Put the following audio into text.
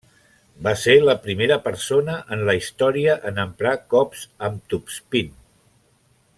Va ser la primera persona en la història en emprar cops amb topspin.